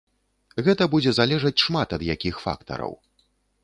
Гэта будзе залежаць шмат ад якіх фактараў.